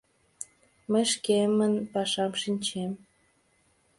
— Мый шкемын пашам шинчем.